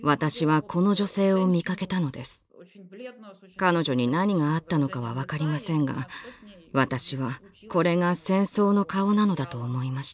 彼女に何があったのかは分かりませんが私はこれが戦争の顔なのだと思いました。